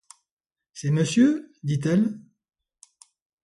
C’est monsieur ? dit-elle.